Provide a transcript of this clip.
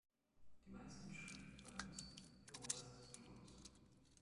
Die meisten schrieb Burns, der Humorist des Duos.